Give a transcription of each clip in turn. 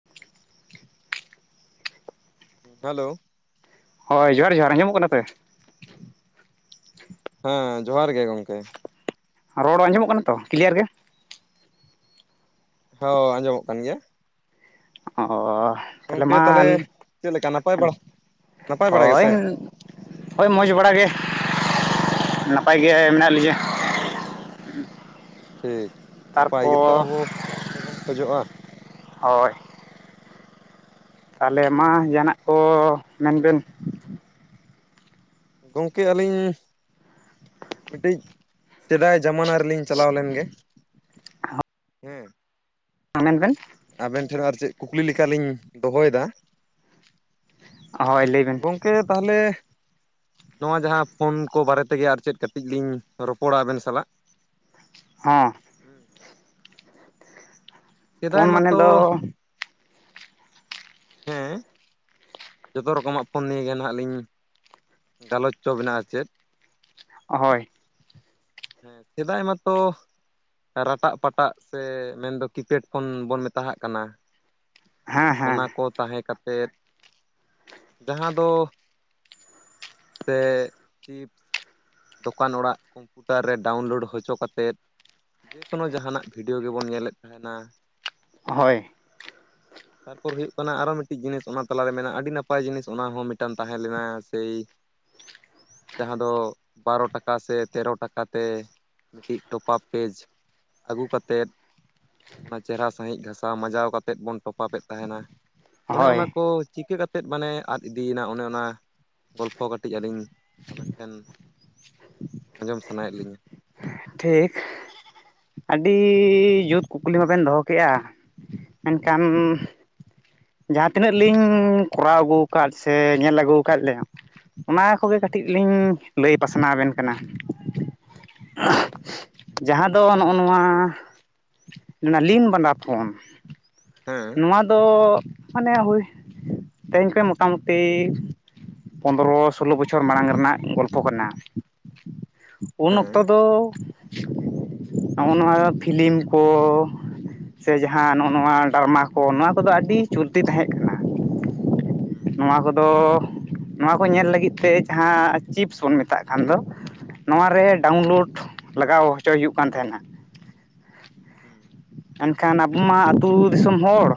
[inaudible] ᱦᱩᱸ, ᱦᱮᱞᱳ᱾ ᱦᱳᱭ, ᱡᱚᱦᱟᱨ ᱡᱚᱦᱟᱨ ᱟᱸᱡᱚᱢᱚᱜ ᱠᱟᱱᱟ ᱯᱮ? ᱦᱮᱸ, ᱡᱚᱦᱟᱨ ᱜᱮ ᱜᱚᱝᱠᱮ᱾ ᱨᱚᱲ ᱟᱸᱡᱚᱢᱚᱜ ᱠᱟᱱᱟ ᱛᱚ ᱠᱞᱤᱭᱟᱨ ᱜᱮ? ᱦᱚᱸ, ᱟᱸᱡᱚᱢᱚᱜ ᱠᱟᱱ ᱜᱮᱭᱟ᱾ ᱚ, ᱛᱟᱦᱞᱮ ᱜᱚᱝᱠᱮ ᱛᱟᱦᱚᱞᱮ ᱢᱟᱞ ᱪᱮᱫ ᱞᱮᱠᱟ ᱱᱟᱯᱟᱭ ᱵᱟᱲᱟ ᱱᱟᱯᱟᱭ ᱵᱟᱲᱟ ᱦᱳᱭ ᱜᱮᱥᱮ ᱦᱳᱭ ᱢᱚᱡᱽ ᱵᱟᱲᱟ ᱜᱮ, ᱱᱟᱯᱟᱭ ᱜᱮ ᱢᱮᱱᱟᱜ ᱞᱤᱧᱟᱹ᱾ ᱴᱷᱤᱠ ᱱᱟᱯᱟᱭ ᱜᱮᱛᱚ ᱛᱟᱨᱯᱚᱨ ᱟᱵᱚ ᱫᱚᱵᱚᱱ ᱠᱷᱚᱡᱚᱜᱼᱟ᱾ ᱦᱳᱭ᱾ ᱛᱟᱦᱞᱮ ᱢᱟ ᱡᱟᱦᱟᱱᱟᱜ ᱠᱚ ᱢᱮᱱ ᱵᱮᱱ᱾ ᱜᱚᱝᱠᱮ ᱟᱹᱞᱤᱧ ᱢᱤᱫᱴᱤᱡ ᱥᱮᱫᱟᱭ ᱡᱟᱢᱟᱱᱟ ᱨᱮᱞᱤᱧ ᱪᱟᱞᱟᱣ ᱞᱮᱱ ᱜᱮ᱾ ᱦᱩᱸ ᱦᱮᱸ, ᱢᱮᱱ ᱵᱮᱱ᱾ ᱟᱵᱮᱱ ᱴᱷᱮᱱ ᱟᱨ ᱪᱮᱫ ᱠᱩᱠᱞᱤ ᱞᱮᱠᱟ ᱞᱤᱧ ᱫᱚᱦᱚᱭ ᱫᱟ᱾ ᱦᱳᱭ ᱞᱟᱹᱭ ᱵᱮᱱ ᱜᱚᱝᱠᱮ ᱛᱟᱦᱞᱮ ᱱᱚᱣᱟ ᱡᱟᱦᱟᱸ ᱯᱷᱳᱱ ᱠᱚ ᱵᱟᱨᱮ ᱛᱮᱜᱮ ᱟᱨ ᱪᱮᱫ ᱠᱟᱹᱴᱤᱡ ᱞᱤᱧ ᱨᱚᱯᱚᱲᱟ ᱟᱵᱮᱱ ᱥᱟᱞᱟᱜ᱾ ᱦᱮᱸ ᱥᱮᱫᱟᱭ ᱯᱷᱳᱱ ᱢᱟᱱᱮ ᱢᱟᱛᱚ ᱫᱚ ᱦᱮᱸ ᱡᱚᱛᱚ ᱨᱚᱠᱚᱢᱟᱜ ᱯᱷᱳᱱ ᱱᱤᱭᱮ ᱜᱮ ᱱᱟᱦᱟᱜ ᱞᱤᱧ ᱜᱟᱞᱚᱪ ᱪᱚ ᱵᱮᱱᱟ ᱟᱨ ᱪᱮᱫ᱾ ᱦᱳᱭ᱾ ᱦᱮᱸ ᱥᱮᱫᱟᱭ ᱢᱟᱛᱚ ᱨᱟᱴᱟᱜ ᱯᱟᱴᱟᱜ ᱥᱮ ᱢᱮᱱᱫᱚ ᱠᱤᱯᱮᱴ ᱯᱷᱳᱱ ᱵᱚᱱ ᱢᱮᱛᱟ ᱦᱟᱜ ᱠᱟᱱᱟ᱾ ᱦᱮᱸ ᱦᱮᱸ ᱚᱱᱟ ᱠᱚ ᱛᱟᱦᱮᱸ ᱠᱟᱛᱮᱫ ᱡᱟᱦᱟᱸ ᱫᱚ ᱥᱮ ᱪᱤᱯᱥ᱾ ᱫᱚᱠᱟᱱ ᱚᱲᱟᱜ ᱠᱚᱢᱯᱩᱴᱟᱨ ᱨᱮ ᱰᱟᱣᱩᱱᱞᱳᱰ ᱦᱚᱪᱚ ᱠᱟᱛᱮᱫ ᱡᱮᱠᱳᱱᱳ ᱡᱟᱦᱟᱱᱟᱜ ᱵᱷᱤᱰᱤᱭᱳ ᱜᱮᱵᱚᱱ ᱧᱮᱞᱮᱫ ᱛᱟᱦᱮᱱᱟ, ᱦᱮᱸ᱾ ᱦᱳᱭ ᱛᱟᱨᱯᱚᱨ ᱦᱩᱭᱩᱜ ᱠᱟᱱᱟ ᱟᱨᱚ ᱢᱤᱫᱴᱤᱡ ᱡᱤᱱᱤᱥ ᱚᱱᱟ ᱛᱟᱞᱟᱨᱮ ᱢᱮ ᱟᱹᱰᱤ ᱱᱟᱯᱟᱭ ᱡᱤᱱᱤᱥ ᱚᱱᱟ ᱦᱚᱸ ᱢᱤᱫᱴᱟᱱ ᱛᱟᱦᱮᱸ ᱞᱮᱱᱟ ᱥᱮᱭ ᱡᱟᱦᱟᱸ ᱫᱚ ᱵᱟᱨᱚ ᱴᱟᱠᱟ ᱥᱮ ᱛᱮᱨᱚ ᱴᱟᱠᱟ ᱛᱮ ᱢᱤᱫᱴᱤᱡ ᱴᱚᱯᱟᱯ ᱯᱮᱡᱽ ᱟᱹᱜᱩ ᱠᱟᱛᱮᱫ᱾ ᱚᱱᱟ ᱪᱮᱦᱨᱟ ᱥᱟᱺᱦᱤᱡ ᱜᱷᱟᱥᱟᱣ ᱢᱟᱡᱟᱣ ᱠᱟᱛᱮᱫ ᱵᱚᱱ ᱴᱚᱯᱟᱯᱮᱫ ᱛᱟᱦᱮᱱᱟ, ᱚᱱᱮ ᱦᱳᱭ ᱚᱱᱟ ᱠᱚ ᱪᱤᱠᱟᱹ ᱠᱟ ᱛᱮᱫ ᱢᱟᱱᱮ ᱟᱫ ᱤᱫᱤᱭᱮᱱᱟ ᱚᱱᱮ ᱚᱱᱟ ᱜᱚᱞᱯᱷᱚ ᱠᱟᱹᱴᱤᱡ ᱟᱹᱞᱤᱧ ᱟᱵᱮᱱ ᱴᱷᱮᱱ ᱟᱸᱡᱚᱢ ᱥᱟᱱᱟᱭᱮᱫ ᱞᱤᱧᱟᱹ᱾ ᱴᱷᱤᱠ, ᱟᱹᱰᱤ ᱡᱩᱛ ᱠᱩᱠᱞᱤ ᱢᱟᱵᱮᱱ ᱫᱚᱦᱚ ᱠᱮᱼᱟ᱾ ᱢᱮᱱᱠᱷᱟᱱ᱾ ᱡᱟᱦᱟᱸ ᱛᱤᱱᱟᱹᱜ ᱞᱤᱧ ᱠᱚᱨᱟᱣ ᱟᱹᱜᱩ ᱠᱟᱫ ᱥᱮ ᱧᱮᱞ ᱟᱹᱜᱩ ᱠᱟᱜ ᱞᱮᱭᱟ᱾ ᱚᱱᱟ ᱠᱚᱜᱮ ᱦᱩᱸ ᱠᱟᱹᱴᱤᱡ ᱞᱤᱧ ᱞᱟᱹᱭ ᱯᱟᱥᱱᱟᱣ ᱟᱵᱮᱱ ᱠᱟᱱᱟ᱾ ᱦᱮᱸ᱾ ᱡᱟᱦᱟᱸ ᱫᱚ ᱱᱚᱜᱼᱚ ᱱᱚᱣᱟ ᱞᱤᱱ ᱵᱟᱸᱫᱟ ᱯᱷᱳᱱ᱾ ᱦᱮᱸ ᱱᱚᱣᱟ ᱫᱚ ᱢᱟᱱᱮ ᱦᱩᱭ ᱛᱮᱦᱮᱧ ᱠᱷᱚᱭ ᱢᱚᱛᱟᱢᱩᱛᱤ ᱯᱚᱸᱫᱽᱨᱚ ᱥᱳᱞᱞᱳ ᱵᱚᱪᱷᱚᱨ ᱢᱟᱲᱟᱝ ᱨᱮᱱᱟᱜ ᱜᱚᱞᱯᱷᱚ ᱠᱟᱱᱟ, ᱩᱱ ᱦᱮᱸ ᱚᱠ ᱛᱚ ᱱᱚᱜᱼᱚ ᱱᱚᱣᱟ ᱯᱷᱤᱞᱤᱢ ᱠᱚ ᱥᱮ ᱡᱟᱦᱟᱸ ᱱᱚᱜᱼᱚ ᱱᱚᱣᱟ ᱰᱟᱨᱢᱟ ᱠᱚ ᱱᱚᱣᱟ ᱠᱚᱫᱚ ᱟᱹᱰᱤ ᱪᱚᱞᱛᱤ ᱛᱟᱦᱮᱸᱜ ᱦᱩᱸ᱾ ᱱᱚᱣᱟ ᱠᱚᱫᱚ ᱱᱚᱣᱟ ᱠᱚ ᱧᱮᱞ ᱞᱟᱹᱜᱤᱫ ᱛᱮ ᱡᱟᱦᱟᱸ ᱪᱤᱯᱥ ᱵᱚᱱ ᱢᱮᱛᱟᱜ ᱠᱟᱱ ᱫᱚ᱾ ᱱᱚᱣᱟ ᱨᱮ ᱦᱩᱸ ᱰᱟᱣᱩᱱᱞᱳᱰ ᱞᱟᱜᱟᱣ ᱦᱚᱪᱚᱭ ᱦᱩᱭᱩᱜ ᱠᱟᱱ ᱛᱟᱦᱮᱸᱱᱟ᱾ ᱦᱩᱸ᱾ ᱮᱱᱠᱷᱟᱱ ᱟᱵᱚ ᱢᱟ ᱟᱛᱳ ᱫᱤᱥᱚᱢ ᱦᱚᱲ,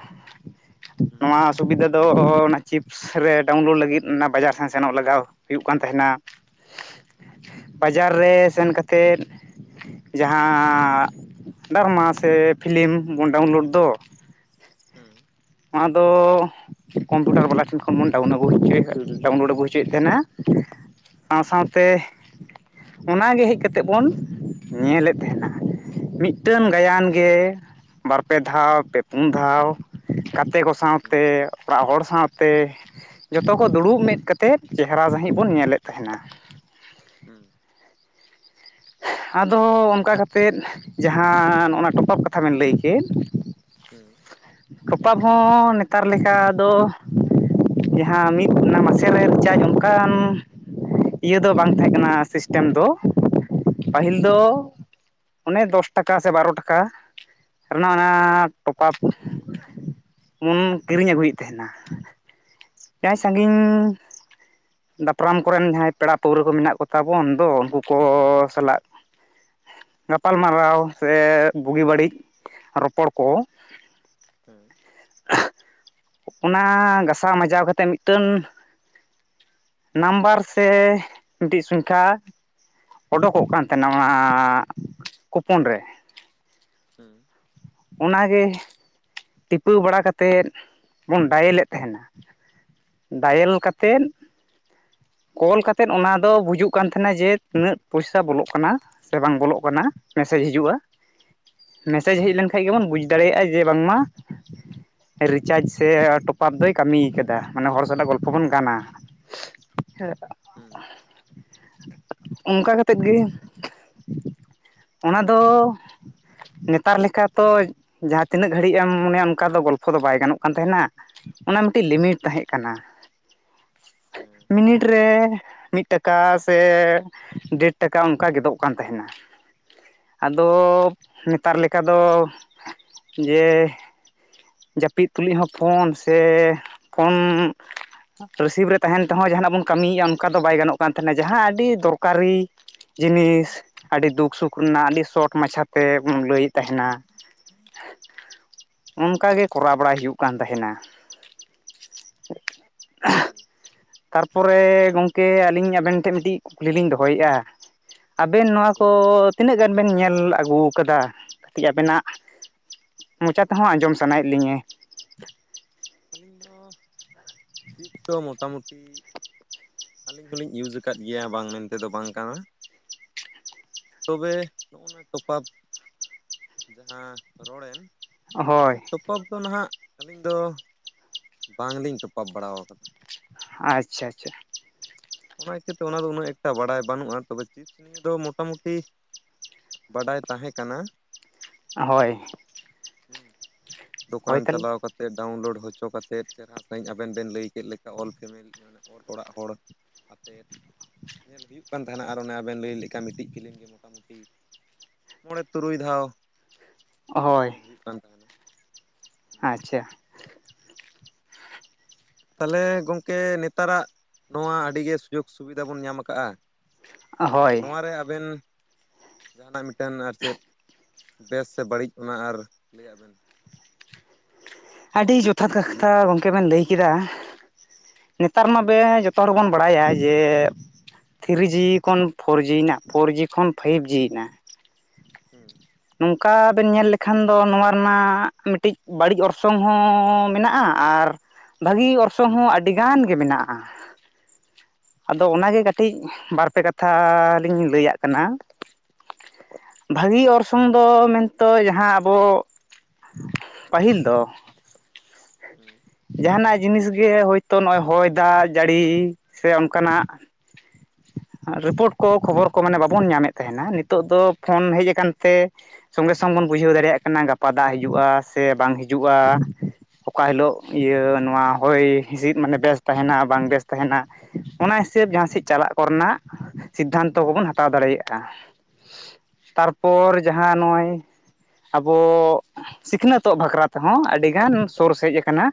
ᱦᱩᱸ ᱱᱚᱣᱟ ᱛᱩᱵᱤᱫᱟ ᱫᱚ ᱚᱱᱟ ᱪᱤᱯᱥ ᱨᱮ ᱰᱟᱣᱩᱱᱞᱳᱰ ᱞᱟᱹᱜᱤᱫ ᱚᱱᱟ ᱵᱟᱡᱟᱨ ᱥᱮᱱ ᱥᱮᱱᱚᱜ ᱞᱟᱜᱟᱣ ᱦᱩᱭᱩᱜ ᱠᱟᱱ ᱛᱟᱦᱮᱱᱟ᱾ ᱵᱟᱡᱟᱨ ᱨᱮ ᱥᱮᱱ ᱠᱟᱛᱮᱫ ᱡᱟᱦᱟᱸ ᱰᱟᱨᱢᱟ ᱥᱮ ᱯᱷᱤᱞᱤᱢ ᱵᱚᱱ ᱰᱟᱣᱩᱱᱞᱳᱰ ᱫᱚ᱾ ᱦᱩᱸ᱾ ᱟᱫᱚ ᱠᱚᱢᱯᱤᱭᱩᱴᱟᱨ ᱵᱟᱞᱟ ᱴᱷᱮᱱ ᱠᱷᱚᱱ ᱵᱚᱱ ᱰᱟᱣᱩᱱ ᱟᱹᱜᱩ ᱦᱚᱪᱚᱭᱮᱫ ᱰᱟᱣᱩᱱᱞᱳᱰ ᱟᱹᱜᱩ ᱦᱚᱪᱚᱭᱮᱫ ᱛᱟᱦᱮᱸᱱᱟ᱾ ᱥᱟᱶ ᱥᱟᱶᱛᱮ ᱚᱱᱟᱜᱮ ᱦᱮᱡ ᱠᱟᱛᱮᱜ ᱵᱚᱱ ᱧᱮᱞᱮᱫ ᱛᱮᱦᱮᱱᱟ, ᱢᱤᱜ ᱴᱮᱱ ᱦᱩᱸ ᱜᱟᱭᱟᱱ ᱜᱮ ᱵᱟᱨᱯᱮ ᱫᱷᱟᱣ, ᱯᱮ ᱯᱩᱱ ᱫᱷᱟᱣ ᱜᱟᱛᱮ ᱠᱚ ᱦᱩᱸ ᱥᱟᱶᱛᱮ ᱚᱲᱟᱜ ᱦᱚᱲ ᱥᱟᱶᱛᱮ, ᱡᱚᱛᱚ ᱠᱚ ᱫᱩᱲᱩᱵ ᱢᱮᱫ ᱠᱟᱛᱮᱫ ᱪᱮᱦᱨᱟ ᱥᱟᱺᱦᱤᱡ ᱵᱚᱱ ᱧᱮᱞᱮᱫ ᱛᱟᱦᱮᱱᱟ᱾ ᱦᱩᱸ᱾ ᱟᱫᱚ ᱚᱱᱠᱟ ᱠᱟᱛᱮᱫ ᱡᱟᱦᱟᱸ ᱚᱱᱟ ᱴᱚᱯᱟᱯ ᱠᱟᱛᱷᱟ ᱵᱮᱱ ᱞᱟᱹᱭ ᱠᱮᱫ᱾ ᱦᱩᱸ᱾ ᱴᱚᱯᱟᱯ ᱦᱚᱸ ᱱᱮᱛᱟᱨ ᱞᱮᱠᱟ ᱫᱚ ᱡᱟᱦᱟᱸ ᱢᱤᱫ ᱚᱱᱟ ᱢᱟᱥᱮ ᱨᱮ ᱨᱤᱪᱟᱨᱡᱽ ᱚᱱᱠᱟᱱ ᱤᱭᱟᱹ ᱫᱚ ᱵᱟᱝ ᱛᱟᱦᱮᱸ ᱠᱟᱱᱟ ᱥᱤᱥᱴᱮᱢ ᱫᱚ᱾ ᱦᱩᱸ ᱯᱟᱹᱦᱤᱞ ᱫᱚ ᱚᱱᱮ ᱫᱚᱥ ᱴᱟᱠᱟ ᱥᱮ ᱵᱟᱨᱚ ᱴᱟᱠᱟ ᱨᱮᱱᱟᱜ ᱚᱱᱟ ᱦᱩᱸ ᱴᱚᱯᱟᱯ ᱩᱱ ᱠᱤᱨᱤᱧ ᱟᱹᱜᱩᱭᱮᱜ ᱛᱟᱦᱮᱱᱟ᱾ ᱡᱟᱦᱟᱭ ᱦᱩᱸ ᱦᱮᱸ ᱥᱟᱺᱜᱤᱧ ᱫᱟᱯᱨᱟᱢ ᱠᱚᱨᱮᱱ ᱡᱟᱦᱟᱸᱭ ᱯᱮᱲᱟ ᱯᱟᱹᱣᱟᱹ ᱠᱚ ᱢᱮᱱᱟᱜ ᱠᱚᱛᱟ ᱵᱚᱱ ᱫᱚ ᱩᱱᱠᱩ ᱠᱚ ᱥᱟᱞᱟᱜ ᱜᱟᱯᱟᱞ ᱢᱟᱨᱟᱨᱟᱣ, ᱥᱮ ᱵᱩᱜᱤ ᱵᱟᱹᱲᱤᱡ ᱨᱚᱯᱚᱲ ᱠᱚ ᱦᱮᱸ ᱚᱱᱟ ᱜᱟᱥᱟᱣ ᱢᱟᱡᱟᱣ ᱠᱟᱛᱮ ᱢᱤᱫ ᱴᱟᱹᱱ ᱱᱟᱢᱵᱟᱨ ᱥᱮ ᱢᱤᱫᱴᱤᱡ ᱥᱚᱝᱠᱷᱟ ᱚᱰᱳᱠᱚᱜ ᱠᱟᱱ ᱛᱟᱦᱮᱸᱱᱟ ᱚᱱᱟ ᱠᱩᱯᱚᱱ ᱨᱮ ᱦᱮᱸ ᱚᱱᱟ ᱜᱮ ᱴᱤᱯᱟᱹᱣ ᱵᱟᱲᱟ ᱠᱟᱛᱮᱫ ᱵᱚᱱ ᱰᱟᱭᱮᱹᱞᱮᱫ ᱛᱟᱦᱮᱸᱱᱟ ᱾ ᱦᱩᱸ ᱰᱟᱭᱮᱞ ᱠᱟᱛᱮᱫ ᱠᱚᱞ ᱠᱟᱛᱮᱫ ᱚᱱᱟ ᱫᱚ ᱵᱩᱡᱩᱜ ᱠᱟᱱ ᱛᱟᱦᱮᱱᱟ ᱡᱮ ᱛᱤᱱᱟᱹᱜ ᱯᱚᱭᱥᱟ ᱵᱚᱞᱚᱜ ᱠᱟᱱᱟ ᱾ ᱥᱮ ᱵᱟᱝ ᱵᱚᱞᱚᱜ ᱠᱟᱱᱟ ᱢᱮᱥᱮᱡᱽ ᱦᱤᱡᱩᱜᱼᱟ ᱾ ᱦᱩᱸ ᱢᱮᱥᱮᱡᱽ ᱦᱮᱡ ᱞᱮᱱᱠᱷᱟᱡ ᱜᱮᱵᱚᱱ ᱵᱩᱡ ᱫᱟᱲᱮᱭᱟᱜᱼᱟ ᱡᱮ ᱵᱟᱝᱢᱟ ᱨᱤᱪᱟᱡᱽ ᱥᱮ ᱴᱚᱯᱟᱯ ᱫᱚᱭ ᱠᱟᱹᱢᱤᱭ ᱠᱟᱫᱟ ᱢᱟᱱᱮ ᱦᱚᱲ ᱥᱟᱞᱟᱜ ᱜᱚᱞᱯᱷᱚ ᱵᱚᱱ ᱜᱟᱱᱟ ᱾ [inaudible] ᱦᱩᱸ ᱚᱱᱠᱟ ᱠᱟᱛᱮᱫ ᱜᱮ ᱚᱱᱟ ᱫᱚᱻ ᱱᱮᱛᱟᱨ ᱞᱮᱠᱟ ᱛᱚᱡ ᱡᱟᱦᱟᱸ ᱛᱤᱱᱟᱹᱜ ᱜᱷᱟᱹᱲᱤᱡ ᱪᱮᱻᱢ ᱢᱚᱱᱮᱭᱟ ᱚᱱᱠᱟ ᱫᱚ ᱜᱚᱞᱯᱷᱚ ᱫᱚ ᱵᱟᱭ ᱜᱟᱱᱚᱜ ᱠᱟᱱ ᱛᱟᱦᱮᱱᱟ ᱚᱱᱟ ᱢᱤᱫᱴᱤᱡ ᱞᱤᱢᱤᱴ ᱛᱟᱦᱮᱸᱜ ᱠᱟᱱᱟ ᱾ ᱦᱮᱸ ᱢᱤᱱᱤᱴ ᱨᱮ ᱢᱤᱫ ᱴᱟᱠᱟ ᱥᱮ ᱰᱮᱴ ᱴᱟᱠᱟ ᱚᱱᱠᱟ ᱜᱮᱫᱚᱜ ᱠᱟᱱ ᱛᱟᱦᱮᱸᱱᱟ᱾ ᱟᱫᱚ ᱱᱮᱛᱟᱨ ᱞᱮᱠᱟᱫᱚ ᱡᱮᱻ ᱡᱟᱯᱤᱫ ᱛᱩᱞᱩᱡ ᱦᱚᱸ ᱯᱷᱳᱱ ᱥᱮᱻ ᱯᱷᱳᱱᱻ ᱨᱤᱥᱤᱵᱷ ᱨᱮ ᱛᱟᱦᱮᱸᱱ ᱛᱮᱦᱚᱸ ᱡᱟᱦᱟᱱᱟᱜ ᱵᱚᱱ ᱠᱟᱹᱢᱤᱭᱮᱫᱼᱟ ᱚᱱᱠᱟ ᱫᱚ ᱵᱟᱭ ᱜᱟᱱᱚᱜ ᱠᱟᱱ ᱛᱟᱦᱮᱸᱱᱟ ᱡᱟᱦᱟᱸ ᱟᱹᱰᱤ ᱫᱚᱨᱠᱟᱨᱤ ᱡᱤᱱᱤᱥ ᱟᱹᱰᱤ ᱫᱩᱠ-ᱥᱩᱠ ᱨᱮᱱᱟᱜ ᱟᱹᱰᱤ ᱥᱚᱴ ᱢᱟᱪᱷᱟ ᱛᱮ ᱵᱚᱱ ᱞᱟᱹᱭᱮᱫ ᱛᱟᱦᱮᱸᱱᱟ ᱾ [unintelligible] ᱚᱱᱠᱟ ᱜᱮ ᱠᱚᱨᱟᱣ ᱵᱟᱲᱟᱭ ᱦᱩᱭᱩᱜ ᱠᱟᱱ ᱛᱟᱦᱮᱸᱱᱟ ᱾ ᱦᱮᱸ ᱯᱚᱨᱮ ᱜᱚᱝᱠᱮ ᱟᱹᱞᱤᱧ ᱟᱵᱮᱱ ᱴᱷᱮᱱ ᱢᱤᱫᱴᱤᱡ ᱠᱩᱠᱞᱤ ᱞᱤᱧ ᱫᱚᱦᱚᱭᱮᱫᱼᱟ ᱾ ᱟᱵᱮᱱ ᱱᱚᱣᱟ ᱠᱚᱻᱫ ᱛᱤᱱᱟᱹᱜ ᱜᱟᱱ ᱵᱮᱱ ᱧᱮᱞ ᱟᱜᱩ ᱠᱟᱫᱟ ᱠᱟᱹᱴᱤᱡ ᱟᱵᱮᱱᱟᱜ ᱢᱚᱪᱟᱹᱛ ᱛᱮᱦᱚᱸ ᱟᱸᱡᱚᱢ ᱥᱟᱱᱟᱭᱮᱫ ᱞᱤᱧᱟᱹ ᱾ ᱟᱹᱞᱤᱧ ᱫᱚ ᱪᱤᱯᱥ ᱫᱚ ᱢᱚᱴᱟᱢᱩᱴᱤ ᱟᱹᱞᱤᱧ ᱫᱚᱞᱤᱧ ᱤᱭᱩᱡᱽ ᱠᱟᱫ ᱜᱮᱭᱟ ᱵᱟᱝ ᱢᱮᱱᱛᱮ ᱫᱚ ᱵᱟᱝ ᱠᱟᱱᱟ ᱾ ᱛᱚᱵᱮ ᱱᱚᱜᱼᱚ ᱱᱟ ᱴᱚᱯᱟᱯ ᱡᱟᱦᱟᱸ ᱨᱚᱲᱮᱱ ᱦᱳᱭ ᱴᱚᱯᱟᱯ ᱫᱚ ᱱᱟᱦᱟᱜ ᱟᱹᱞᱤᱧ ᱫᱚ ᱵᱟᱝᱞᱤᱧ ᱴᱚᱯᱟᱯ ᱵᱟᱲᱟᱣ ᱠᱟᱫᱟ ᱾ ᱟᱪᱪᱷᱟ ᱟᱪᱪᱷᱟ, ᱚᱱᱟ ᱤᱪᱪᱟᱹᱛᱮ ᱚᱱᱟ ᱫᱚ ᱩᱱᱟᱹᱜ ᱮᱠᱴᱟ ᱵᱟᱲᱟᱭ ᱵᱟᱹᱱᱩᱜᱼᱟ ᱛᱚᱵᱮ ᱪᱤᱯᱥ ᱱᱤᱭᱮ ᱫᱚ ᱢᱚᱴᱟᱢᱩᱴᱤ ᱵᱟᱰᱟᱭ ᱛᱟᱦᱮᱸ ᱠᱟᱱᱟ ᱦᱚᱭ ᱦᱩᱸ ᱫᱚᱠᱟᱱ ᱛᱟᱦᱚᱞᱮ ᱪᱟᱞᱟᱣ ᱠᱟᱛ ᱛᱮ ᱰᱟᱣᱩᱱᱞᱳᱰ ᱦᱚᱪᱚ ᱠᱟᱛᱮᱫ ᱪᱮᱦᱨᱟ ᱥᱟᱺᱦᱤᱡ ᱟᱵᱮᱱ ᱵᱮᱱ ᱞᱟᱹᱭ ᱠᱮᱫ ᱞᱮᱠᱟ ᱚᱞ ᱯᱷᱮᱹᱢᱮᱹᱞᱤ ᱢᱟᱱᱮ ᱚᱞ ᱚᱲᱟᱜ ᱦᱚᱲ ᱟᱛᱮᱫ ᱧᱮᱞ ᱦᱩᱭᱩᱜ ᱠᱟᱱ ᱛᱟᱦᱮᱱᱟ ᱟᱨ ᱚᱱᱮ ᱟᱵᱮᱱ ᱞᱟᱹᱭ ᱞᱮᱠᱟ ᱢᱤᱫᱴᱤᱡ ᱯᱷᱤᱞᱤᱢ ᱜᱮ ᱢᱚᱴᱟᱢᱩᱴᱤ ᱢᱚᱬᱮ ᱛᱩᱨᱩᱭ ᱫᱷᱟᱣ, ᱧᱮᱞ ᱦᱩᱭᱩᱜ ᱠᱟᱱ ᱛᱟᱦᱮᱸᱱᱟ ᱾ ᱟᱸᱪᱷᱟ ᱛᱟᱦᱞᱮ ᱜᱚᱢᱠᱮ ᱱᱮᱛᱟᱨᱟᱜ ᱱᱚᱣᱟ ᱟᱹᱰᱤᱜᱮ ᱥᱩᱡᱳᱜᱽ ᱥᱩᱵᱤᱫᱷᱟ ᱵᱚᱱ ᱧᱟᱢ ᱟᱠᱟᱜᱼᱟ ᱾ ᱦᱳᱭ ᱱᱚᱣᱟᱨᱮ ᱟᱵᱮᱱ ᱡᱟᱦᱟᱱᱟᱜ ᱢᱤᱫᱴᱮᱱ ᱟᱨ ᱪᱮᱫ ᱵᱮᱥ ᱥᱮ ᱵᱟᱹᱲᱤᱡ ᱚᱱᱟ ᱟᱨ ᱞᱟᱹᱭᱟᱜ ᱵᱮᱱ ᱟᱹᱰᱤ ᱡᱚᱛᱷᱟᱛ ᱠᱟ-ᱠᱟᱛᱷᱟ ᱜᱚᱝᱠᱮ ᱵᱮᱱ ᱞᱟᱹᱭ ᱠᱮᱫᱟ ᱾ ᱱᱮᱛᱟᱨ ᱢᱟᱵᱮ ᱡᱚᱛᱚ ᱦᱚᱲ ᱵᱚᱱ ᱵᱟᱲᱟᱭᱟ ᱡᱮ ᱛᱷᱤᱨᱤ ᱡᱤ ᱠᱷᱚᱱ ᱯᱷᱳᱨ ᱡᱤ ᱮᱱᱟ ᱯᱷᱳᱨ ᱡᱤ ᱠᱷᱚᱱ ᱯᱷᱟᱭᱤᱵᱷ ᱡᱤ ᱮᱱᱟ ᱦᱩᱸ ᱱᱚᱝᱠᱟᱻ ᱵᱮᱱ ᱧᱮᱞ ᱞᱮᱠᱷᱟᱱ ᱫᱚ ᱱᱚᱣᱟ ᱨᱮᱱᱟᱜᱻ ᱢᱤᱫᱴᱤᱡ ᱵᱟᱲᱤᱡ ᱚᱨᱥᱚᱝ ᱦᱚᱸᱻ ᱢᱮᱱᱟᱜᱼᱟ᱾ ᱟᱨ ᱵᱷᱟᱹᱜᱤ ᱚᱨᱥᱚᱝ ᱦᱚᱸ ᱟᱹᱰᱤ ᱜᱟᱱ ᱜᱮ ᱢᱤᱱᱟᱜᱼᱟ ᱾ ᱟᱫᱚ ᱦᱩᱸ ᱚᱱᱟᱜᱮ ᱠᱟᱛᱼᱼ ᱴᱤᱡ ᱵᱟᱨᱯᱮ ᱠᱟᱛᱷᱟᱻ ᱞᱤᱧ ᱞᱟᱹᱭᱟᱜ ᱠᱟᱱᱟ ᱵᱷᱟᱹᱜᱤ ᱚᱨᱥᱼᱼ ᱛᱩᱝ ᱫᱚ ᱢᱮᱱᱛᱮ ᱛᱚ ᱡᱟᱦᱟᱸ ᱟᱵᱚ ᱯᱟᱦᱤᱞ ᱫᱚᱼᱼ ᱦᱩᱸ ᱡᱟᱦᱟᱸ ᱱᱟᱜ ᱡᱤᱱᱤᱥ ᱜᱮ ᱦᱚᱭᱛᱚ ᱱᱚᱜ-ᱚᱭ ᱦᱚᱭ ᱫᱟᱜ ᱡᱟᱹᱲᱤ ᱥᱮ ᱚᱱᱠᱟ ᱱᱟᱜᱼᱼ ᱟᱸ ᱨᱤᱯᱳᱴ ᱠᱚ ᱠᱷᱚᱵᱚᱨ ᱠᱚ ᱢᱟᱱᱮ ᱵᱟᱵᱚᱱ ᱧᱟᱢᱮᱜ ᱛᱟᱦᱮᱱᱟ ᱱᱤᱛᱚᱜ ᱫᱚ ᱯᱷᱳᱱ ᱦᱮᱡ ᱟᱠᱟᱱᱼᱼ ᱛᱮ ᱥᱚᱸᱜᱮ ᱥᱚᱝ ᱵᱚᱱ ᱵᱩᱡᱷᱟᱹᱣ ᱫᱟᱲᱮᱭᱟᱜ ᱠᱟᱱᱟ ᱜᱟᱯᱟ ᱫᱟᱜ ᱦᱤᱡᱩᱜ-ᱟ ᱥᱮ ᱵᱟᱝ ᱦᱤᱡᱩᱜᱼᱼ ᱡᱩᱜ-ᱟ ᱚᱠᱟ ᱦᱩᱸ ᱦᱤᱞᱳᱜᱼᱼ ᱤᱭᱟᱹ ᱱᱚᱣᱟ ᱦᱚᱭ ᱦᱤᱸᱥᱤᱫ ᱢᱟᱱᱮ ᱵᱮᱥ ᱛᱟᱦᱮᱱᱟ ᱵᱟᱝ ᱵᱮᱥ ᱛᱟᱦᱮᱱᱟ᱾ ᱚᱱᱟ ᱦᱤᱥᱟᱹᱵᱽ ᱡᱟᱦᱟᱸ ᱥᱮᱡ ᱪᱟᱞᱟᱜ ᱠᱚ ᱨᱮᱱᱟᱜ ᱥᱤᱫᱽᱫᱷᱟᱱᱛᱚ ᱠᱚᱵᱚᱱ ᱦᱟᱛᱟᱣ ᱫᱟᱲᱮᱭᱟᱜ-ᱟ᱾ ᱦᱩᱸ ᱯᱚᱨ ᱡᱟᱦᱟᱸ ᱱᱚᱜ-ᱚᱸᱭᱼᱼ ᱟᱵᱚ ᱥᱤᱠᱷᱱᱟᱹᱛᱚᱜ ᱵᱷᱟᱠᱷᱨᱟ ᱛᱮᱦᱚᱸ ᱟᱹᱰᱤᱜᱟᱱ ᱥᱳᱨᱥ ᱦᱮᱡ ᱠᱟᱱᱟ᱾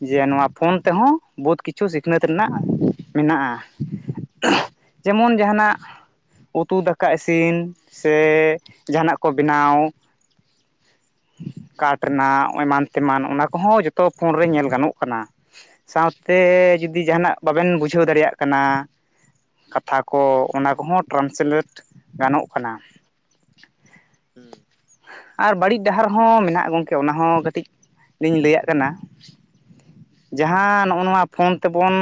ᱡᱮ ᱱᱚᱣᱟ ᱯᱷᱳᱱ ᱛᱮᱦᱚᱸ ᱵᱚᱦᱩᱛ ᱠᱤᱪᱷᱩ ᱥᱤᱠᱷᱱᱟᱹᱛ ᱨᱮᱱᱟᱜ ᱢᱮᱱᱟᱜ-ᱟ᱾ ᱡᱮᱢᱚᱱ ᱡᱟᱦᱟᱸᱱᱟᱜ ᱩᱛᱩ ᱫᱟᱠᱟ ᱤᱥᱤᱱ ᱥᱮᱼᱼ ᱡᱟᱦᱟᱸᱱᱟᱜ ᱠᱚ ᱵᱮᱱᱟᱣ ᱦᱩᱸ ᱠᱟᱴ ᱨᱮᱱᱟᱜ ᱮᱢᱟᱱᱼᱼ ᱛᱮᱢᱟᱱ ᱚᱱᱟ ᱠᱚᱦᱚᱸ ᱡᱚᱛᱚ ᱯᱷᱳᱱ ᱨᱮ ᱧᱮᱞ ᱜᱟᱱᱚᱜ ᱠᱟᱱᱟ᱾ ᱥᱟᱶᱛᱮ ᱡᱩᱫᱤ ᱡᱟᱦᱟᱸᱱᱟᱜ ᱵᱟᱵᱮᱱ ᱵᱩᱡᱷᱟᱹᱣ ᱫᱟᱲᱮᱭᱟᱜ ᱠᱟᱱᱟ᱾ ᱠᱟᱛᱷᱟ ᱠᱚ ᱚᱱᱟ ᱠᱚᱦᱚᱸ ᱴᱨᱟᱱᱥᱮᱞᱮᱴ ᱜᱟᱱᱚᱜ ᱠᱟᱱᱟ᱾ ᱦᱩᱸ᱾ ᱟᱨ ᱵᱟᱲᱤᱡ ᱰᱟᱦᱟᱨ ᱦᱚᱸ ᱢᱮᱱᱟᱜ-ᱟ ᱜᱚᱝᱠᱮ ᱚᱱᱟ ᱦᱚᱸ ᱠᱟᱹᱴᱤᱡ ᱞᱤᱧ ᱞᱟᱹᱭᱟᱜ ᱠᱟᱱᱟ᱾ ᱡᱟᱦᱟᱸ ᱱᱚᱜ-ᱚ ᱱᱚᱣᱟ ᱯᱷᱳᱱ ᱛᱮᱵᱚᱱᱼᱼ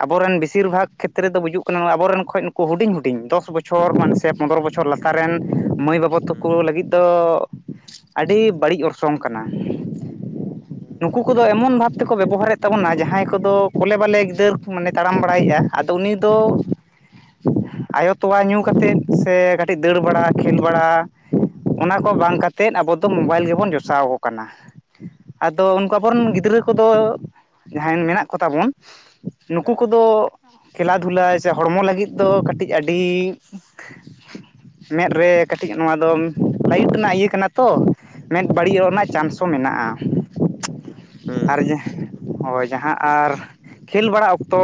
ᱟᱵᱚᱨᱮᱱ ᱵᱮᱥᱤᱨ ᱵᱷᱟᱜᱽ ᱠᱷᱮᱛ ᱨᱮ ᱫᱚ ᱵᱩᱡᱩᱜ ᱠᱟᱱᱟ ᱱᱚᱣᱟ ᱟᱵᱚᱨᱮᱱ ᱠᱷᱚᱡ ᱱᱩᱠᱩ‌ ᱦᱩᱰᱤᱧ ᱦᱩᱰᱤᱧ ᱫᱚᱥ ᱵᱚᱪᱚᱨ ᱢᱟᱱ ᱥᱮ ᱯᱚᱱᱫᱽᱨᱚᱼᱼ ᱵᱚᱪᱷᱚᱨ ᱞᱟᱛᱟᱨᱮᱱ ᱢᱟᱹᱭ ᱵᱟᱹᱵᱩ ᱦᱩᱸ ᱛᱟᱠᱚ ᱞᱟᱹᱜᱤᱫ ᱫᱚᱼᱼ ᱟᱹᱰᱤ ᱵᱟᱹᱲᱤᱡ ᱚᱨᱥᱚᱝ ᱠᱟᱱᱟ ᱦᱩᱸ ᱱᱩᱠᱩ ᱠᱚᱫᱚ ᱮᱢᱚᱱ ᱵᱷᱟᱵᱽᱼᱼ ᱛᱮᱠᱚ ᱵᱮᱵᱚᱦᱟᱨᱮᱫ ᱛᱟᱵᱚᱱᱟ ᱡᱟᱦᱟᱸᱭ ᱠᱚᱫᱚ ᱠᱚᱞᱮ ᱵᱟᱞᱮ ᱜᱤᱫᱟᱹᱨ ᱠᱚ ᱢᱟᱱᱮ ᱛᱟᱲᱟᱢ ᱵᱟᱲᱟᱭᱮᱜ-ᱟ ᱟᱫᱚ ᱩᱱᱤ ᱫᱚᱼᱼ ᱟᱭᱳ ᱛᱚᱣᱟ ᱧᱩ ᱠᱟᱛᱮᱫ ᱥᱮ ᱠᱟᱴᱼᱼ ᱴᱤᱡ ᱫᱟᱹᱲ ᱵᱟᱲᱟ ᱠᱷᱮᱞ ᱵᱟᱲᱟ ᱚᱱᱟ ᱠᱚ ᱵᱟᱝ ᱠᱟᱛᱮᱫ ᱟᱵᱚ ᱫᱚ ᱢᱳᱵᱟᱭᱤᱞ ᱜᱮᱵᱚᱱ ᱡᱚᱥᱟᱣ ᱠᱚ ᱠᱟᱱᱟ᱾ ᱟᱫᱚ ᱦᱮᱸ ᱩᱱᱠᱩ ᱚᱱᱟ ᱟᱵᱚ ᱫᱚ ᱨᱮᱱ ᱜᱤᱫᱽᱨᱟᱹ ᱠᱚᱫᱚ ᱡᱟᱦᱟᱸᱭ ᱢᱮᱱᱟᱜ ᱠᱚᱛᱟ ᱵᱚᱱᱼᱼ ᱱᱩᱠᱩ ᱦᱮᱸ ᱠᱚᱫᱚ ᱠᱷᱮᱞᱟ ᱫᱷᱩᱞᱟᱭ ᱥᱮ ᱦᱚᱲᱢᱚ ᱞᱟᱜᱤᱫ ᱫᱚ ᱠᱟᱴᱤᱡ ᱟᱹᱰᱤᱼᱼ ᱢᱮᱫ ᱨᱮ ᱠᱟᱹᱴᱤᱡ ᱱᱚᱣᱟ ᱫᱚᱢ ᱞᱟᱭᱤᱴ ᱨᱮᱱᱟᱜ ᱤᱭᱟᱹ ᱠᱟᱱᱟ ᱛᱚᱼᱼ ᱢᱮᱫ ᱵᱟᱲᱤᱡᱚᱜ ᱨᱮᱱᱟᱜ ᱪᱟᱱᱥ ᱦᱚᱸ ᱢᱮᱱᱟᱜ-ᱟ ᱦᱩᱸ ᱟᱨ ᱡᱟᱼᱼ ᱦᱚᱭ ᱡᱟᱦᱟᱸ ᱟᱨᱼᱼ ᱠᱷᱮᱞ ᱵᱟᱲᱟ ᱚᱠᱛᱚ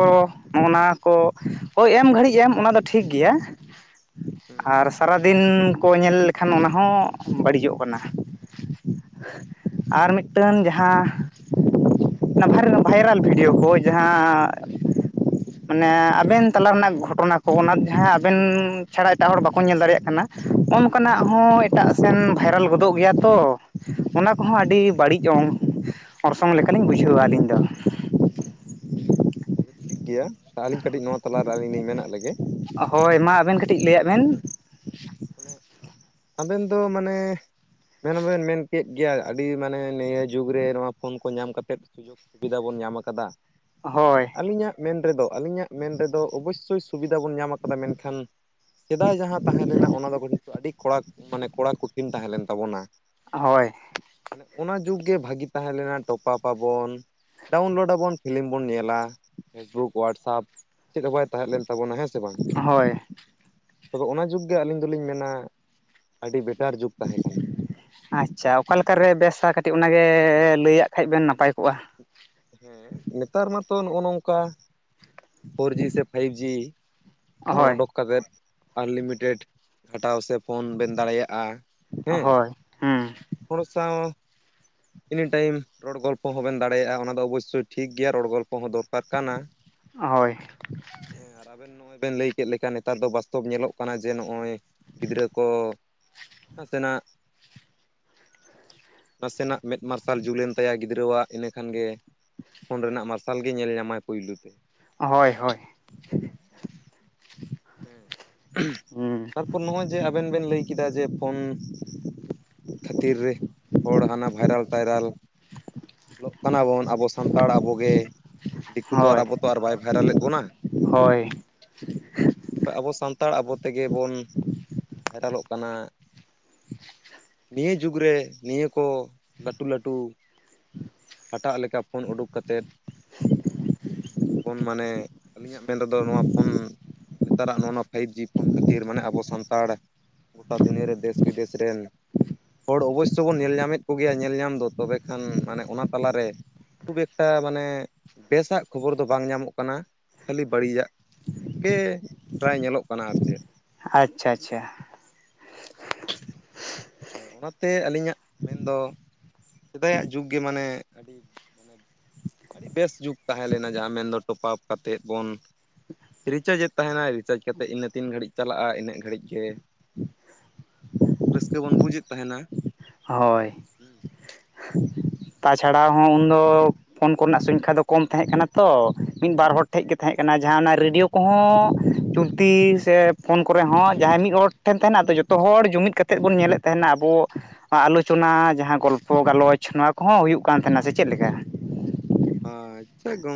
ᱱᱚᱜ-ᱚᱱᱟ ᱠᱚ ᱦᱳᱭ ᱮᱢ ᱜᱷᱟᱹᱲᱤᱡ ᱮᱢ ᱚᱱᱟ ᱫᱚ ᱴᱷᱤᱠ ᱜᱮᱭᱟ᱾ ᱦᱩᱸ ᱟᱨ ᱥᱟᱨᱟᱫᱤᱱ ᱠᱚ ᱧᱮᱞ ᱞᱮᱠᱷᱟᱱ ᱚᱱᱟ ᱦᱚᱸᱵᱟᱹᱲᱤᱡᱚᱜ ᱠᱟᱱᱟ᱾ ᱟᱨ ᱢᱤᱫᱴᱟᱹᱱ ᱡᱟᱦᱟᱸᱼᱼ ᱚᱱᱟ ᱵᱷᱟᱭᱨᱟᱞ ᱵᱷᱤᱰᱭᱳ ᱠᱚ ᱡᱟᱦᱟᱸᱼᱼ ᱢᱟᱱᱮ ᱟᱵᱮᱱ ᱛᱟᱞᱟ ᱨᱮᱱᱟᱜ ᱜᱷᱚᱴᱱᱟ ᱠᱚ ᱚᱱᱟ ᱡᱟᱦᱟᱸ ᱟᱵᱮᱱ ᱪᱷᱟᱲᱟᱼᱼ ᱮᱴᱟᱜ ᱦᱚᱲ ᱵᱟᱠᱚ ᱧᱮᱞ ᱫᱟᱲᱮᱭᱟᱜ ᱠᱟᱱᱟ ᱚᱱᱠᱟ ᱱᱟᱜ ᱦᱮᱸ ᱦᱚᱸ ᱮᱴᱟᱜ ᱥᱮᱱ ᱵᱷᱟᱭᱨᱟᱞ ᱜᱚᱫᱚᱜ ᱜᱮᱭᱟ ᱛᱚ᱾ ᱚᱱᱟ ᱠᱚᱦᱚᱸ ᱟᱰᱤ ᱦᱩᱸ ᱵᱟᱲᱤᱡ ᱚᱝ ᱚᱨᱥᱚᱝ ᱞᱮᱠᱟ ᱞᱤᱧ ᱵᱩᱡᱷᱟᱹᱣᱟ ᱟᱞᱤᱧ ᱫᱚ᱾ ᱴᱷᱤᱠ ᱜᱮᱭᱟ ᱟᱞᱤᱧ ᱠᱟᱹᱴᱤᱡ ᱱᱚᱣᱟ ᱛᱟᱞᱟ ᱨᱮ ᱟᱞᱤᱧ ᱞᱤᱧ ᱢᱮᱱᱟᱜ ᱞᱮᱜᱮ᱾ ᱦᱚᱭ ᱢᱟ ᱟᱵᱮᱱ ᱠᱟᱹᱴᱤᱡ ᱦᱮᱸ ᱞᱟᱹᱭᱟᱜ ᱵᱮᱱ? ᱛᱟᱦᱚᱞᱮ ᱢᱟᱱᱮ ᱟᱵᱮᱱ ᱫᱚ ᱢᱟᱱᱮᱼᱼ ᱢᱮᱱ ᱢᱟᱵᱮᱱ ᱢᱮᱱ ᱠᱮᱜ ᱜᱮᱭᱟ ᱟᱰᱤ ᱢᱟᱱᱮ ᱱᱮᱭᱟᱹ ᱡᱩᱜᱽ ᱨᱮ ᱱᱚᱣᱟ ᱯᱷᱳᱱ ᱠᱚ ᱧᱟᱢ ᱠᱟᱛᱮᱫᱼᱼ ᱥᱩᱵᱤᱫᱟ ᱵᱚᱱ ᱧᱟᱢ ᱟᱠᱟᱫᱟ ᱦᱳᱭ ᱟᱞᱤᱧᱟᱜᱼᱼ ᱢᱮᱱ ᱛᱮᱫᱚ ᱟᱞᱤᱧᱟᱜ ᱢᱮᱱ ᱛᱮᱫᱚ ᱚᱵᱚᱭᱥᱥᱳᱭ ᱥᱩᱵᱤᱫᱟ ᱵᱚᱱ ᱧᱟᱢ ᱟᱠᱟᱫᱟ ᱢᱮᱱᱠᱷᱟᱱ ᱥᱮᱫᱟᱭ ᱡᱟᱦᱟᱸ ᱛᱟᱦᱮᱸᱱᱼᱼ ᱞᱮᱱᱟ ᱚᱱᱟ ᱫᱚ ᱠᱤᱱᱛᱩ ᱟᱹᱰᱤ ᱠᱚᱲᱟ ᱩᱸ ᱢᱟᱱᱮ ᱠᱚᱲᱟ ᱠᱚᱴᱷᱤᱱ ᱛᱟᱦᱮᱸ ᱞᱮᱱ ᱛᱟᱵᱚᱱᱟ᱾ ᱦᱚᱭ᱾ ᱢᱟᱱᱮ ᱚᱱᱟ ᱡᱩᱜᱽ ᱜᱮ ᱵᱷᱟᱜᱤ ᱛᱟᱦᱮᱸ ᱞᱮᱱᱟ ᱴᱚᱯᱟᱯ ᱯᱟᱵᱚᱱᱼᱼ ᱰᱟᱣᱩᱱᱞᱳᱰ ᱟᱵᱚᱱ ᱯᱷᱤᱞᱤᱢ ᱵᱚᱱ ᱧᱮᱞᱟ, ᱯᱷᱮᱥᱵᱩᱠ ᱣᱟᱴᱥᱟᱯ ᱪᱮᱫ ᱦᱚᱸ ᱵᱟᱭ ᱛᱟᱦᱮᱸ ᱞᱮᱱ ᱛᱟᱵᱚᱱᱟ ᱦᱮᱸᱥ ᱪᱮ ᱵᱟᱝ? ᱦᱳᱭ ᱟᱫᱟ ᱚᱱᱟ ᱡᱩᱜᱽ ᱜᱮ ᱟᱹᱞᱤᱧ ᱫᱩᱞᱤᱧ ᱢᱮᱱᱟ, ᱟᱹᱰᱤ ᱵᱮᱴᱟᱨ ᱡᱩᱜᱽ ᱛᱟᱦᱮᱸ ᱠᱟᱱᱟ᱾ ᱟᱪᱪᱷᱟ ᱚᱠᱟ ᱞᱮᱠᱟ ᱨᱮ ᱵᱮᱥᱟ ᱠᱟᱹᱴᱤᱡ ᱚᱱᱟ ᱜᱮ ᱞᱟᱹᱭᱟᱜ ᱠᱷᱟᱡ ᱵᱮᱱ ᱱᱟᱯᱟᱭ ᱠᱚᱜᱼᱟ᱾ ᱦᱮᱸ ᱱᱮᱛᱟᱨ ᱢᱟᱛᱚ ᱱᱚᱜ-ᱚ ᱱᱚᱝᱠᱟ ᱯᱷᱳᱨ ᱡᱤ ᱥᱮ ᱯᱷᱟᱭᱤᱵᱷ ᱡᱤ᱾ ᱯᱷᱳᱱ ᱦᱳᱭ ᱚᱰᱚᱠ ᱠᱟᱛᱮᱫ ᱟᱱᱞᱤᱢᱤᱴᱮᱰ ᱜᱷᱟᱴᱟᱣ ᱥᱮ ᱯᱷᱳᱱ ᱵᱮᱱ ᱫᱟᱲᱮᱭᱟᱜᱼᱟ᱾ ᱦᱮᱸ ᱦᱳᱭ, ᱦᱩᱸ᱾ ᱦᱚᱲ ᱥᱟᱶ ᱮᱱᱤᱴᱟᱭᱤᱢ ᱨᱚᱲ ᱜᱚᱞᱯᱚ ᱦᱚᱸ ᱵᱮᱱ ᱫᱟᱲᱮᱭᱟᱜᱼᱟ ᱚᱱᱟ ᱫᱚ ᱚᱵᱚᱥᱥᱳᱭ ᱴᱷᱤᱠ ᱜᱮᱭᱟ ᱨᱚᱲ ᱜᱚᱞᱯᱚ ᱦᱚᱸ ᱫᱚᱨ ᱯᱟᱠ ᱠᱟᱱᱟ᱾ ᱦᱳᱭ ᱦᱮᱸ ᱟᱨ ᱟᱵᱮᱱ ᱱᱚᱜᱼᱚᱭ ᱵᱮᱱ ᱞᱟᱹᱭ ᱠᱮᱜ ᱞᱮᱠᱟ ᱱᱮᱛᱟᱨ ᱫᱚ ᱵᱟᱥᱛᱚᱵ ᱧᱮᱞᱚᱜ ᱠᱟᱱᱟ, ᱡᱮ ᱱᱚᱜᱼᱚᱭ ᱜᱤᱫᱽᱨᱟᱹ ᱠᱚ ᱱᱟᱥᱮᱱᱟᱜ, ᱱᱟᱥᱮᱱᱟᱜ ᱢᱮᱫ ᱢᱟᱨᱥᱟᱞ ᱡᱩᱞ ᱮᱱ ᱛᱟᱭᱟ ᱜᱤᱫᱽᱨᱟᱹᱣᱟᱜ ᱤᱱᱟᱹ ᱠᱷᱟᱱ ᱜᱮ ᱯᱷᱳᱱ ᱨᱮᱱᱟᱜ ᱢᱟᱨᱥᱟᱞ ᱜᱮ ᱧᱮᱞ ᱧᱟᱢᱟᱭ ᱯᱩᱭᱞᱩ ᱛᱮ᱾ ᱦᱳᱭ ᱦᱳᱭ᱾ ᱦᱮᱸ, ᱦᱩᱸ ᱛᱟᱨᱯᱚᱨ ᱱᱚᱜᱼᱚᱭ ᱡᱮ ᱟᱵᱮᱱ ᱵᱮᱱ ᱞᱟᱹᱭ ᱠᱮᱫᱟ ᱡᱮ ᱯᱷᱳᱱ᱾ ᱠᱷᱟᱹᱛᱤᱨ ᱨᱮ ᱦᱚᱲ ᱦᱟᱱᱟ ᱵᱷᱟᱭᱨᱟᱞ ᱴᱟᱭᱨᱟᱞ ᱞᱚᱜ ᱠᱟᱱᱟᱵᱚᱱ ᱟᱵᱚ ᱥᱟᱱᱛᱟᱲ ᱟᱵᱚ ᱜᱮ ᱫᱤᱠᱩ ᱛᱚ ᱟᱨ ᱦᱳᱭ ᱟᱵᱚ ᱛᱚ ᱟᱨ ᱵᱟᱭ ᱵᱷᱟᱭᱨᱟᱞᱮᱫ ᱵᱚᱱᱟ᱾ ᱦᱳᱭ᱾ ᱛᱚ ᱟᱵᱚ ᱥᱟᱱᱛᱟᱲ ᱟᱵᱚ ᱛᱮᱜᱮ ᱵᱚᱱ ᱵᱷᱟᱭᱨᱟᱞᱚᱜ ᱠᱟᱱᱟ᱾ [inaudible] ᱱᱤᱭᱟᱹ ᱡᱩᱜᱽ ᱨᱮ ᱱᱤᱭᱟᱹ ᱠᱚ ᱞᱟᱹᱴᱩ ᱞᱟᱹᱴᱩ ᱦᱟᱴᱟᱜ ᱞᱮᱠᱟ ᱯᱷᱳᱱ ᱩᱰᱩᱠ ᱠᱟᱛᱮᱫ ᱵᱚᱱ ᱢᱟᱱᱮ ᱟᱹᱞᱤᱧᱟᱜ ᱢᱮᱱ ᱨᱮᱫᱚ ᱱᱚᱣᱟ ᱯᱷᱳᱱ ᱱᱮᱛᱟᱨᱟᱜ ᱱᱚᱜ ᱱᱚᱣᱟ ᱯᱷᱟᱭᱤᱵᱷ ᱡᱤ ᱯᱷᱳᱱ ᱠᱷᱟᱹᱛᱤᱨ, ᱢᱟᱱᱮ ᱟᱵᱚ ᱥᱟᱱᱛᱟᱲ ᱜᱚᱴᱟ ᱫᱩᱱᱤᱭᱟᱹ ᱨᱮ ᱫᱮᱥᱼᱵᱤᱫᱮᱥ ᱨᱮᱱ ᱦᱚᱲ ᱚᱵᱚᱥᱥᱳ ᱵᱚᱱ ᱧᱮᱞ ᱧᱟᱢᱮᱫ ᱠᱚ ᱜᱮᱭᱟ ᱧᱮᱞ ᱧᱟᱢ ᱫᱚ ᱛᱚᱵᱮ ᱠᱷᱟᱱ ᱢᱟᱱᱮ ᱚᱱᱟ ᱛᱟᱞᱟᱨᱮ ᱠᱷᱩᱵ ᱮᱠᱴᱟ ᱢᱟᱱᱮ ᱵᱮᱥᱟᱜ ᱠᱷᱚᱵᱚᱨ ᱫᱚ ᱵᱟᱝ ᱧᱟᱢᱚᱜ ᱠᱟᱱᱟ ᱠᱷᱟᱹᱞᱤ ᱵᱟᱹᱲᱤᱭᱟᱜ ᱜᱮ ᱯᱨᱟᱭ ᱧᱮᱞᱚᱜ ᱠᱟᱱᱟ ᱟᱨ ᱪᱮᱫ᱾ ᱟᱪ ᱪᱷᱟ-ᱪᱷᱟ᱾ ᱦᱮᱸ, ᱚᱱᱟ ᱛᱮ ᱟᱹᱞᱤᱧᱟᱜ ᱢᱮᱱ ᱫᱚ᱾ ᱥᱮᱫᱟᱭᱟᱜ ᱡᱩᱜᱽ ᱜᱮ ᱢᱟᱱᱮ ᱟᱹᱰᱤ ᱟᱹᱰᱤ ᱵᱮᱥ ᱡᱩᱜᱽ ᱛᱟᱦᱮᱸ ᱞᱮᱱᱟ ᱡᱟᱦᱟᱸ ᱢᱮᱱ ᱫᱚ ᱴᱚᱯᱟᱯ ᱠᱟᱛᱮᱫ ᱵᱚᱱ ᱨᱤᱪᱟᱡᱮᱫ ᱛᱟᱦᱮᱱᱟᱭ ᱨᱤᱪᱟᱡᱽ ᱠᱟᱛᱮᱜ ᱤᱱᱟᱹ ᱛᱤᱱ ᱜᱷᱟᱹᱲᱤᱡ ᱪᱟᱞᱟᱜᱼᱟ ᱤᱱᱟᱹᱜ ᱜᱷᱟᱹᱲᱤᱡ ᱜᱮ ᱨᱟᱹᱥᱠᱟᱹ ᱵᱚᱱ ᱵᱩᱡᱮᱫ ᱛᱟᱦᱮᱸᱱᱟ᱾ ᱦᱳᱭ, ᱛᱟᱪᱷᱟᱲᱟ ᱦᱚᱸ ᱩᱱᱫᱚ ᱯᱷᱳᱱ ᱠᱚᱨᱮᱱᱟᱜ ᱥᱚᱝᱠᱷᱟ ᱫᱚ ᱠᱚᱢ ᱛᱟᱦᱮᱸᱜ ᱠᱟᱱᱟ ᱛᱚ, ᱢᱤᱜ ᱵᱟᱨ ᱦᱚᱲ ᱴᱷᱮᱡ ᱜᱮ ᱛᱟᱦᱮᱸᱜ ᱠᱟᱱᱟ᱾ ᱦᱮᱸ ᱡᱟᱦᱟᱸ ᱚᱱᱟ ᱨᱮᱰᱤᱭᱳ ᱠᱚᱦᱚᱸ ᱪᱚᱞᱛᱤ ᱥᱮ ᱯᱷᱳᱱ ᱠᱚᱨᱮ ᱦᱚᱸ ᱡᱟᱦᱟᱸᱭ ᱢᱤᱫ ᱦᱚᱲ ᱡᱷᱮᱱ ᱛᱟᱦᱮᱱ ᱟᱫᱚ ᱡᱚᱛᱚ ᱦᱚᱲ ᱡᱩᱢᱤᱫ ᱠᱟᱛᱮᱫ ᱵᱚᱱ ᱧᱮᱞᱮᱫ ᱛᱟᱦᱮᱱᱟ ᱟᱵᱚ᱾ ᱟ-ᱟᱞᱳᱪᱚᱱᱟ ᱡᱟᱦᱟᱸ ᱜᱚᱞᱯᱚ, ᱜᱟᱞᱚᱪ ᱱᱚᱣᱟ ᱠᱚᱦᱚᱸ ᱦᱩᱭᱩᱜ ᱠᱟᱱ ᱛᱟᱦᱮᱱᱟ ᱥᱮ ᱪᱮᱫᱞᱮᱠᱟ? [unintelligible]